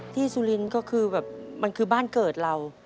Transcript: สุรินทร์ก็คือแบบมันคือบ้านเกิดเรา